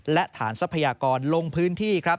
และฐานทรัพยากรลงพื้นที่ครับ